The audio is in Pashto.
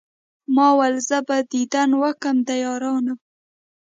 ما ول زه به ديدن وکم د يارانو